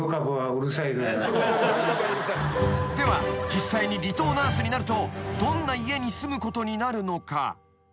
［では実際に離島ナースになるとどんな家に住むことになるのか？］